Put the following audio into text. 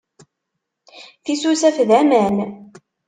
Tisusaf d aman.